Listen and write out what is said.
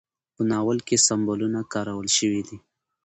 په ناول کې سمبولونه کارول شوي دي.